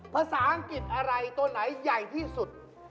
ภาษาอังกฤษอะไรตัวไหนใหญ่ที่สุด